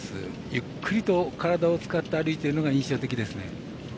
ゆっくりと体を使って歩いているのが印象的ですね。